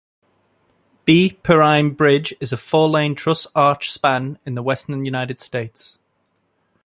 B. Perrine Bridge is four-lane truss arch span in the western United States.